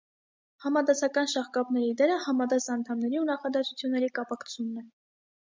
Համադասական շաղկապների դերը համադաս անդամների ու նախադասությունների կապակցումն է։